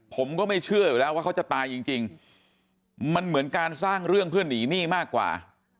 ผมก็ไม่เชื่ออยู่แล้วว่าเขาจะตายจริงมันเหมือนการสร้างเรื่องเพื่อหนีหนี้มากกว่า